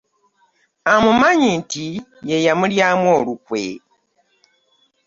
Amumanyi nti ye yamulyamu olukwe.